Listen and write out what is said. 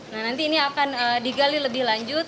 nah nanti ini akan digali lebih lanjut